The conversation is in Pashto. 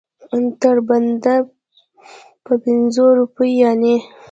تر بنده په پنځو روپو یعنې.